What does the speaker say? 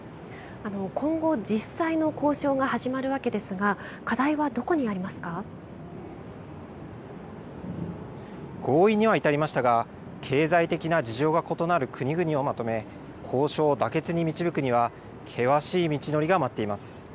今後、実際の交渉が始まるわけですが、課題はどこにあります合意には至りましたが、経済的な事情が異なる国々をまとめ、交渉を妥結に導くには、険しい道のりが待っています。